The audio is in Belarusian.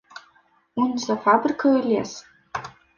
Унь за фабрыкаю лес.